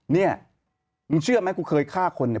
เนี่ยมึงเชื่อไหมกูเคยฆ่าคนเนี่ย